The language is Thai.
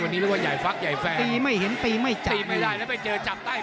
วันนี้เรียกว่าใหญ่ฟักใหญ่แฟนตีไม่เห็นตีไม่เจอตีไม่ได้แล้วไปเจอจับใต้